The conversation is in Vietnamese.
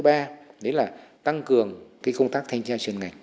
đấy là tăng cường cái công tác thanh trao chuyên ngành